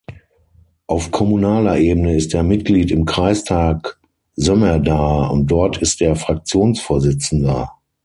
Auf Kommunaler Ebene ist er Mitglied im Kreistag Sömmerda und dort ist er Fraktionsvorsitzender.